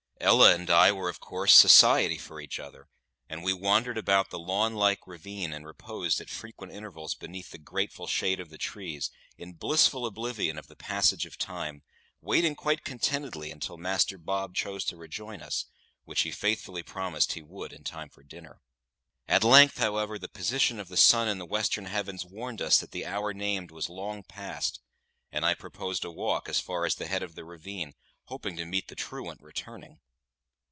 Ella and I were, of course, society for each other, and we wandered about the lawn like ravine and reposed at frequent intervals beneath the grateful shade of the trees, in blissful oblivion of the passage of time, waiting quite contentedly until Master Bob chose to rejoin us, which he faithfully promised he would in time for dinner. At length, however, the position of the sun in the western heavens warned us that the hour named was long past, and I proposed a walk as far as the head of the ravine, hoping to meet the truant returning.